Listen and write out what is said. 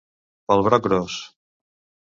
Pel broc gros.